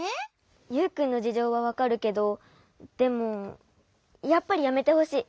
ユウくんのじじょうはわかるけどでもやっぱりやめてほしい。